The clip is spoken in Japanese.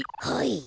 はい。